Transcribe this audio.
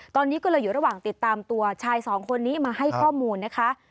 ตอนนี้ก็เลยอยู่ระหว่างติดตามตัวชายสองคนนี้มาให้ข้อมูลนะคะ